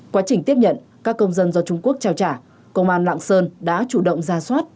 quá trình tiếp nhận các công dân do trung quốc trao trả công an lạng sơn đã chủ động ra soát